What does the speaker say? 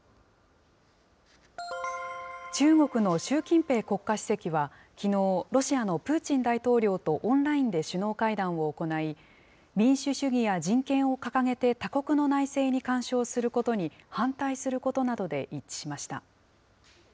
中国の習近平国家主席はきのう、ロシアのプーチン大統領とオンラインで首脳会談を行い、民主主義や人権を掲げて他国の内政に干渉することに反対することなどで一致しました。